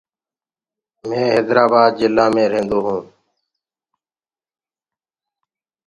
مينٚ هيدرآبآد جلآ مي ريهدونٚ.